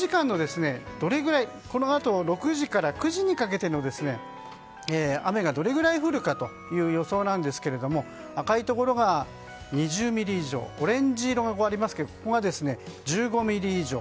このあと６時から９時にかけての雨がどれぐらい降るかという予想ですが赤いところが２０ミリ以上オレンジ色がありますがここが１５ミリ以上。